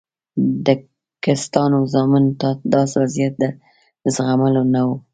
د کسټانو زامنو ته دا وضعیت د زغملو نه و.